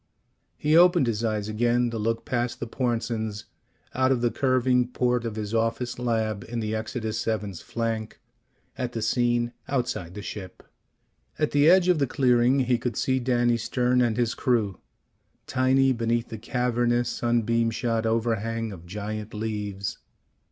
He opened his eyes again to look past the Pornsens, out of the curving port of his office lab in the Exodus VII's flank, at the scene outside the ship. At the edge of the clearing he could see Danny Stern and his crew, tiny beneath the cavernous sunbeam shot overhang of giant leaves.